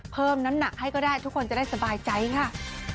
เพิ่มน้ำหนักให้ก็ได้ทุกคนจะได้สบายใจค่ะ